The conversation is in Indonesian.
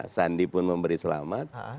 sandi pun memberi selamat